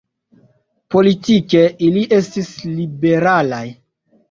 Politike, ili estis liberalaj.